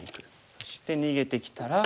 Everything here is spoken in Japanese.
そして逃げてきたら。